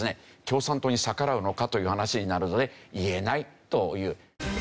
共産党に逆らうのかという話になるので言えないという。